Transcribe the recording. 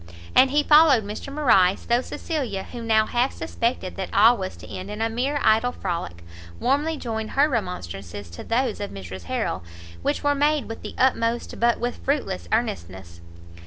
And he followed Mr Morrice, though Cecilia, who now half suspected that all was to end in a mere idle frolic, warmly joined her remonstrances to those of Mrs Harrel, which were made with the utmost, but with fruitless earnestness.